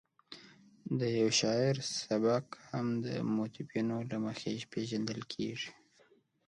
د یو شاعر سبک هم د موتیفونو له مخې پېژندل کېږي.